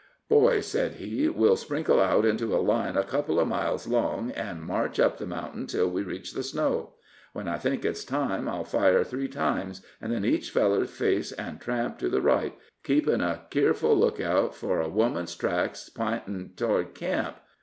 "Boys," said he, "we'll sprinkle out into a line a couple of miles long, and march up the mountain till we reach the snow. When I think it's time, I'll fire three times, an' then each feller'll face an' tramp to the right, keepin' a keerful lookout for a woman's tracks p'intin' t'ward camp.